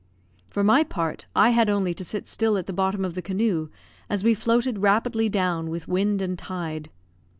For my part, I had only to sit still at the bottom of the canoe, as we floated rapidly down with wind and tide.